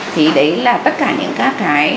thì đấy là tất cả những cái cái